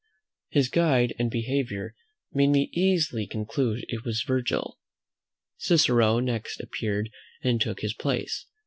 His guide and behaviour made me easily conclude it was Virgil. Cicero next appeared, and took his place.